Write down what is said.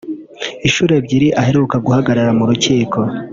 Inshuro ebyiri aheruka kugaragara mu rukiko